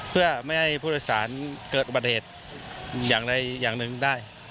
เพื่อไม่ให้ผู้โดยสารเกิดอุบัติเหตุอย่างใดอย่างหนึ่งได้